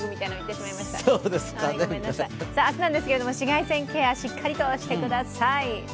明日なんですけれども紫外線ケア、しっかりしてください。